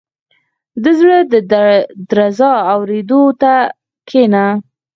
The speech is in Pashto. • د زړه د درزا اورېدو ته کښېنه.